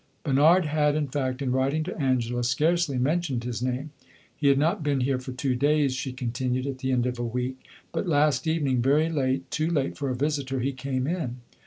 Bernard had, in fact, in writing to Angela, scarcely mentioned his name. "He had not been here for two days," she continued, at the end of a week; "but last evening, very late too late for a visitor he came in.